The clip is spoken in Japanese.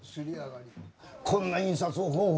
こんな印刷方法